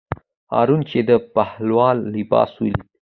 هارون چې د بهلول لباس ولید.